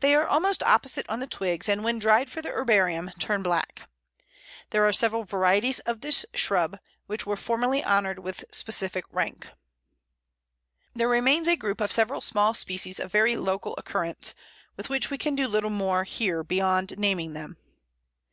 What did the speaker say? They are almost opposite on the twigs, and when dried for the herbarium turn black. There are several varieties of this shrub, which were formerly honoured with specific rank. [Illustration: Pl. 72. Purple Osier winter.] There remains a group of several small species of very local occurrence, with which we can do little more here beyond naming them.